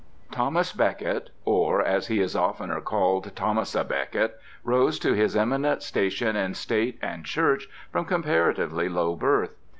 Thomas Becket, or, as he is oftener called, Thomas à Becket, rose to his eminent station in State and Church from comparatively low birth.